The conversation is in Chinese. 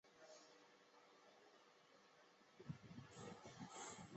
光叶娃儿藤为夹竹桃科娃儿藤属娃儿藤的变种。